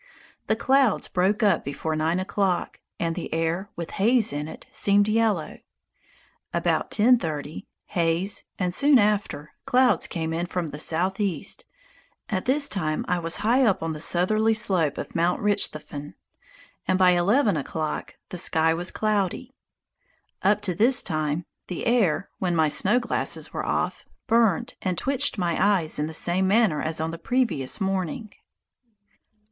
The clouds broke up before nine o'clock, and the air, with haze in it, seemed yellow. About 10.30, haze and, soon after, clouds came in from the southeast (at this time I was high up on the southerly slope of Mt. Richthofen), and by eleven o'clock the sky was cloudy. Up to this time the air, when my snow glasses were off, burned and twitched my eyes in the same manner as on the previous morning.